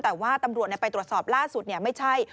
แต่ว่าตำรวจไปตรวจสอบล่าสุดไม่ใช่